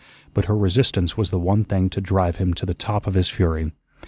But her resistance was the one thing to drive him to the top of his fury.